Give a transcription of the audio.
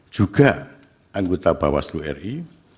juga anggota bawaslu ri